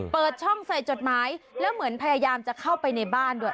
เปิดช่องใส่จดหมายแล้วเหมือนพยายามจะเข้าไปในบ้านด้วย